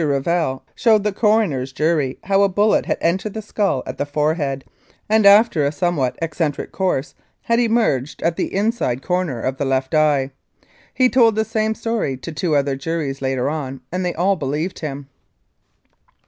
Revell showed the coroner's jury how a bullet had entered the skull at the forehead, and after a somewhat eccentric course had emerged at the inside corner of the left eye. He told the same story to two other juries later on, and they all believed him.